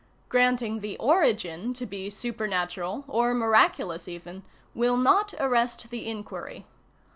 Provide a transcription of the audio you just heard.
Granting the origin to be supernatural, or miraculous even, will not arrest the inquiry.